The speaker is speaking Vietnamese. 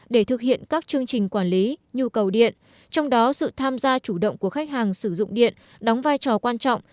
để thực hiện các chương trình quản lý nhu cầu điện trong đó sự tham gia chủ động của khách hàng sử dụng điện đóng vai trò quan trọng